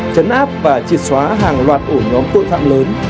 chấn áp và triệt xóa hàng loạt ổ nhóm tội phạm lớn